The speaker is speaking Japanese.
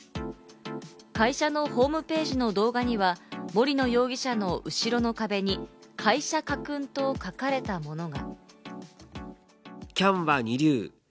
会社のホームページの動画には森野容疑者の後ろの壁に、会社家訓と書かれたものが。